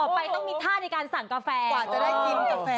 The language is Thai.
โปรดติดตามต่อไป